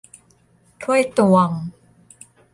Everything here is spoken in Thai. ถ้วยตวง